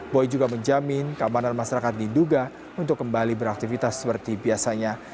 boy juga menjamin keamanan masyarakat diduga untuk kembali beraktivitas seperti biasanya